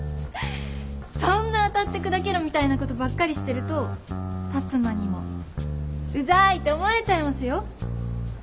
そんな当たって砕けろみたいなことばっかりしてると辰馬にもウザいって思われちゃいますよ。